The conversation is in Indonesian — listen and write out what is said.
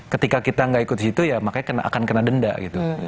ketika kita nggak ikut situ ya makanya akan kena denda gitu